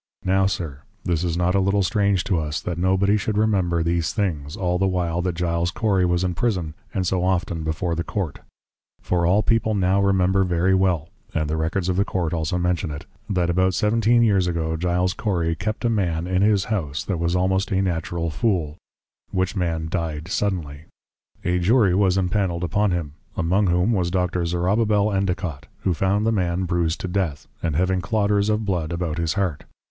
Now Sir, This is not a little strange to us; that no body should Remember these things, all the while that Giles Cory was in Prison, and so often before the Court. For all people now Remember very well, (and the Records of the Court also mention it,) That about Seventeen Years ago, Giles Cory kept a man in his House, that was almost a Natural Fool: which Man Dy'd suddenly. A Jury was impannel'd upon him, among whom was Dr. Zorobbabel Endicot; who found the man bruised to Death, and having clodders of Blood about his Heart.